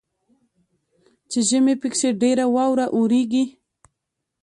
چې ژمي پکښې ډیره واوره اوریږي.